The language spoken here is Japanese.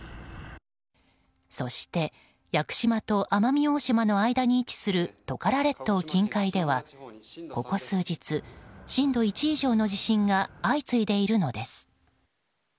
そして屋久島と奄美大島の間に位置するトカラ列島近海ではここ数日、震度１以上の地震が相次いでいるのです。